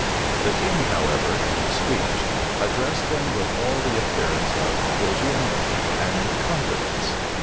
The king, however, in his speech, addressed them with all the appearance of cordiality and confidence.